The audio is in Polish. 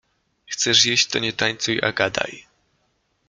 Chcesz jeść, to nie tańcuj, a gadaj.